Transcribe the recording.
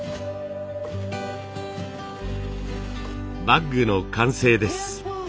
バッグの完成です。